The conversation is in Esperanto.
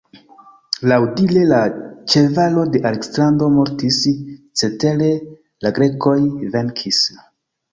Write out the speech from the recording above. Laŭdire la ĉevalo de Aleksandro mortis, cetere la grekoj venkis.